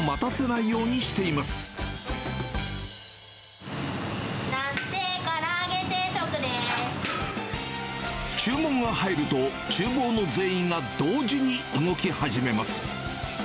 なす定、注文が入ると、ちゅう房の全員が同時に動き始めます。